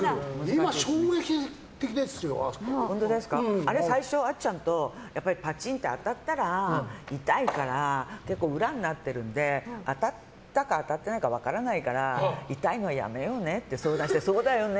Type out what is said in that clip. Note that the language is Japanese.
今、衝撃的ですよ、温子さんの。あれ最初、あっちゃんとパチンって当たったら痛いから裏になってるんで当たったか当たってないか分からないから痛いのはやめようねって相談してそうだよね、